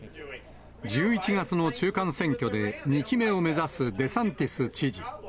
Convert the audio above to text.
１１月の中間選挙で、２期目を目指すデサンティス知事。